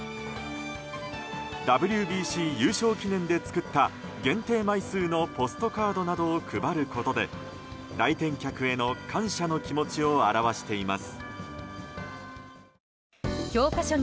ＷＢＣ優勝記念で作った限定枚数のポストカードなどを配ることで来店客への感謝の気持ちを表しています。